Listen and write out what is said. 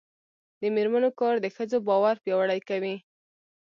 د میرمنو کار د ښځو باور پیاوړی کوي.